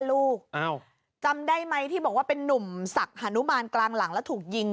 ลูกจำได้ไหมที่บอกว่าเป็นนุ่มศักดิ์ฮานุมานกลางหลังแล้วถูกยิง